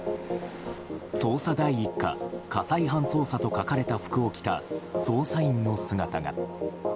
捜査第一課火災犯捜査と書かれた服を着た捜査員の姿が。